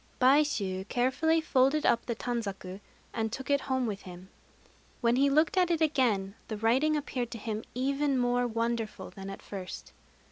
Baishû carefully folded up the tanzaku, and took it home with him. When he looked at it again the writing appeared to him even more wonderful than at first.